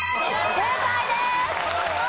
正解です。